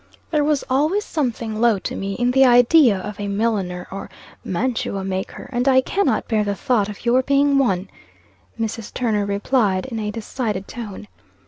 "There was always something low to me in the idea of a milliner or mantua maker, and I cannot bear the thought of your being one," Mrs. Turner replied, in a decided tone.